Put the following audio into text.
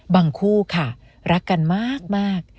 คู่ค่ะรักกันมาก